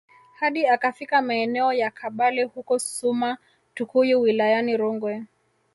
hadi akafika maeneo ya kabale huko suma tukuyu wilayani rungwe